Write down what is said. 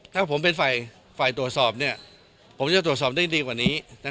ถ้าผมเป็นฝ่ายตรวจสอบผมจะตรวจสอบได้ดีกว่านี้